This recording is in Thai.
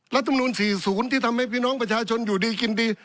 รัฐมนุน๔๐ที่ทำให้พี่น้องประชาชนอยู่ดีกินดี